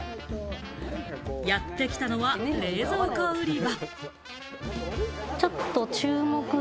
やってきたのは冷蔵庫売り場。